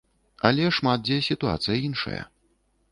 Але шмат дзе сітуацыя іншая.